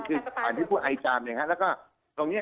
คืออ่านที่พูดไอจามเนี่ยฮะแล้วก็ตรงนี้